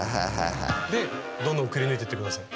でどんどんくりぬいてって下さい。